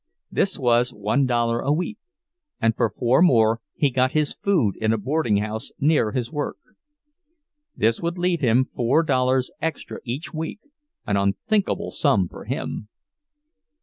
This was one dollar a week, and for four more he got his food in a boardinghouse near his work. This would leave him four dollars extra each week, an unthinkable sum for him.